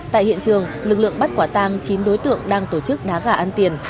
tại hiện trường lực lượng bắt quả tang chín đối tượng đang tổ chức đá gà ăn tiền